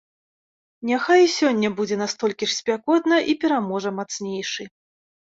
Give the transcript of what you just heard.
Няхай і сёння будзе настолькі ж спякотна і пераможа мацнейшы.